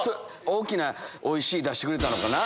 大きな「おいし」出してくれたのかな？